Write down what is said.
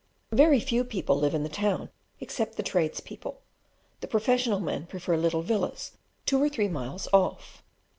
Very few people live in the town except the tradespeople; the professional men prefer little villas two or three miles off.